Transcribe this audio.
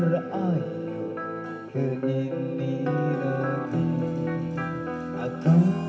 ke indi hati aku melihat